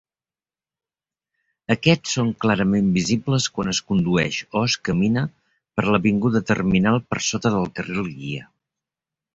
Aquests són clarament visibles quan es condueix o es camina per l'avinguda Terminal per sota del carril guia.